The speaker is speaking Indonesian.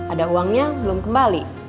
ada uangnya belum kembali